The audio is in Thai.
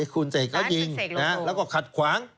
คุณเสกเขายิงแล้วก็ขัดขวาง